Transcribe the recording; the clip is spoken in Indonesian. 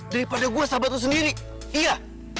daripada gue sahabat lo sendiri iya